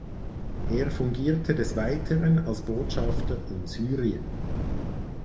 Er fungierte des Weiteren als Botschafter in Syrien.